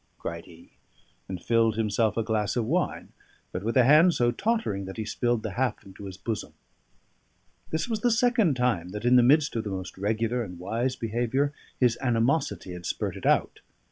cried he, and filled himself a glass of wine, but with a hand so tottering that he spilled the half into his bosom. This was the second time that, in the midst of the most regular and wise behaviour, his animosity had spurted out.